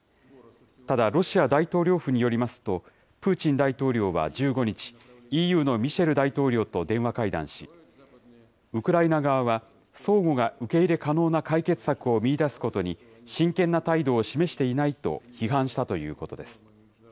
ただ、ロシア大統領府によりますと、プーチン大統領は１５日、ＥＵのミシェル大統領と電話会談し、ウクライナ側は、相互が受け入れ可能な解決策を見いだすことに真剣な態度を示していないと批判したということです。